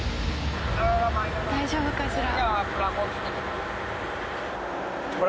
大丈夫かしら？